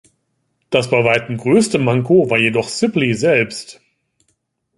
Das bei weitem größte Manko war jedoch Sibley selbst.